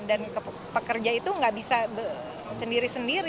dan pekerja itu enggak bisa sendiri